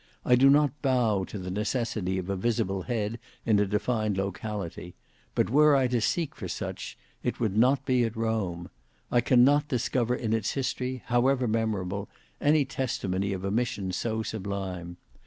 I do not bow to the necessity of a visible head in a defined locality; but were I to seek for such, it would not be at Rome. I cannot discover in its history however memorable any testimony of a mission so sublime.